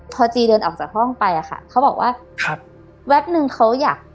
พอจีเดินออกจากห้องไปอะค่ะเขาบอกว่าครับแป๊บนึงเขาอยาก